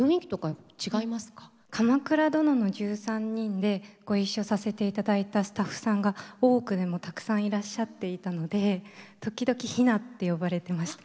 「鎌倉殿の１３人」でご一緒させて頂いたスタッフさんが「大奥」でもたくさんいらっしゃっていたので時々「比奈」って呼ばれてました。